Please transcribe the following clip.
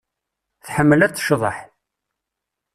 Tḥemmel ad tecḍeḥ.